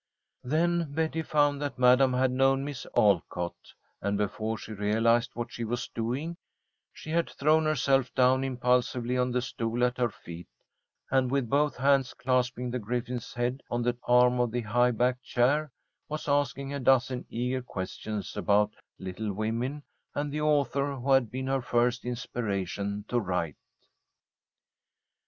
Then Betty found that Madam had known Miss Alcott, and, before she realized what she was doing, she had thrown herself down impulsively on the stool at her feet, and, with both hands clasping the griffin's head on the arm of the high backed chair, was asking a dozen eager questions about "Little Women" and the author who had been her first inspiration to write.